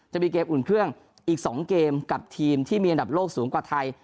จะมีเกมอุ่นเครื่องอีก๒เกมกับทีมที่มีอันดับโลกสูงกว่าไทย